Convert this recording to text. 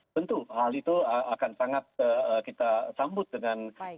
tentu hal itu akan sangat kita sambut dengan